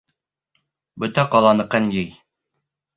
Бөтә ҡаланыҡын йый.